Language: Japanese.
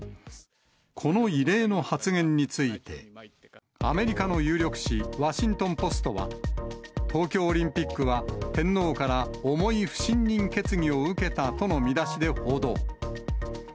この異例の発言について、アメリカの有力紙、ワシントンポストは、東京オリンピックは天皇から重い不信任決議を受けたとの見出しで報道。